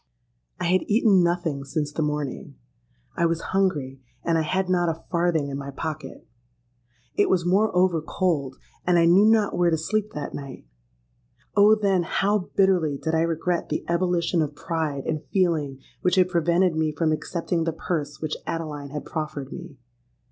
"I had eaten nothing since the morning: I was hungry, and I had not a farthing in my pocket. It was moreover cold; and I knew not where to sleep that night. Oh! then how bitterly did I regret the ebullition of pride and feeling which had prevented me from accepting the purse which Adeline had proffered me!